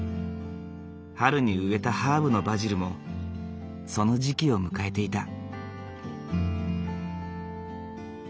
春に植えたハーブのバジルもその時期を迎えていた。